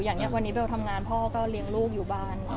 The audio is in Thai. อย่างนี้วันนี้เบลทำงานพ่อก็เลี้ยงลูกอยู่บ้าน